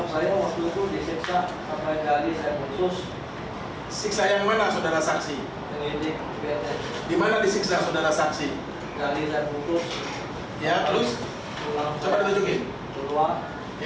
saya waktu itu disiksa sampai jari saya putus